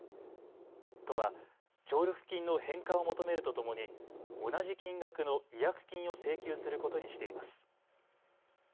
都は協力金の返還を求めるとともに同じ金額の違約金を請求することにしています。